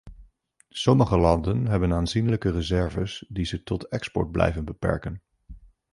Sommige landen hebben aanzienlijke reserves die ze tot export blijven beperken.